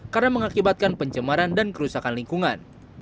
karena mengakibatkan pencemaran dan kerusakan lingkungan